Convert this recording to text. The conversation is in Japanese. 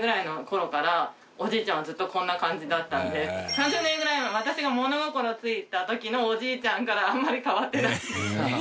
３０年ぐらい私が物心ついた時のおじいちゃんからあんまり変わってない。